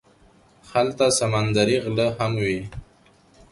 هلته سمندري غله هم وي.